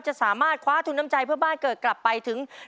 จะสามารถคว้าทุนน้ำใจเพื่อบ้านเกิดกลับไปถึง